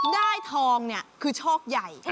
ทองเนี่ยคือโชคใหญ่